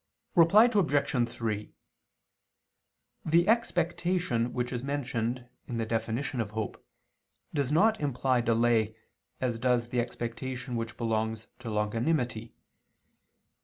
Reply Obj. 3: The expectation which is mentioned in the definition of hope does not imply delay, as does the expectation which belongs to longanimity.